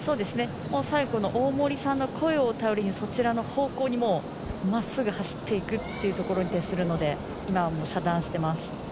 最後の大森さんの声を頼りにそちらの方向にまっすぐ走っていくというところに徹するので、今は遮断しています。